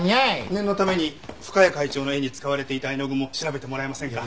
念のために深谷会長の絵に使われていた絵の具も調べてもらえませんか？